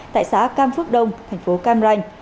tại xã cam phước đông thành phố cam ranh